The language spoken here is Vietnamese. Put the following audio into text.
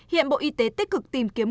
hiện bộ y tế tích cực tìm kiếm